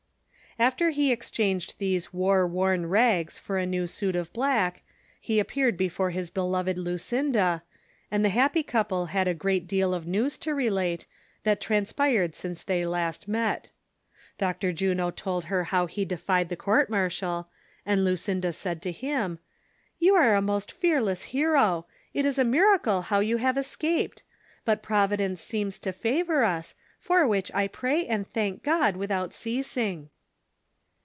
After he exchanged these war worn rags for a new suit of black, he appeared before his beloved Lucinda, and the happy couple had a great deal of news to relate, that transpired since they last met. Dr. Juno told her how he defied the court martial, and Lucinda said to him :"• You are a most fearless hero ; it is a miracle how you have escaped ; but Providence seems to favor us, for which I pray and thank God without ceasing."